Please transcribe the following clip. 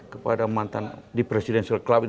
kepada mantan di presidential club